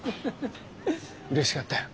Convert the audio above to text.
うれしかったよ。